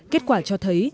kết quả cho thấy